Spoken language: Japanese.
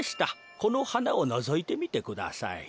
このはなをのぞいてみてください。